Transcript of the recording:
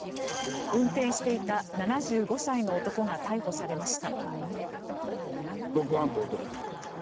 運転していた７５歳の男が逮捕されました。